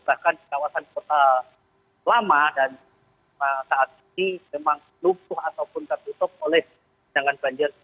bahkan di kawasan kota lama dan saat ini memang lumpuh ataupun tertutup oleh jangan banjir